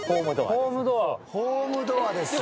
ホームドアですよ。